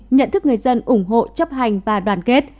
nhận thức người dân ủng hộ chấp hành và đoàn kết